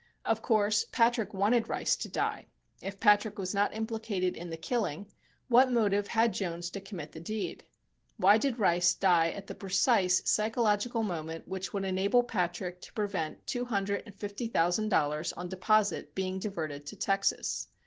Of course Patrick wanted Rice to die. If Patrick was not implicated in the killing, what motive had Jones to commit the deed? Why did Rice die at the precise psychological moment which would enable Patrick to prevent two hundred and fifty thousand dollars on deposit being diverted to Texas?